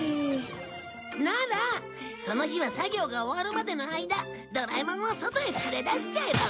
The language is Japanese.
ならその日は作業が終わるまでの間ドラえもんを外へ連れ出しちゃえば。